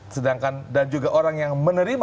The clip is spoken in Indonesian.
sedangkan dan juga orang yang menerima